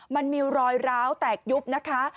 มันมีรอยร้าวแตกยุบนะคะ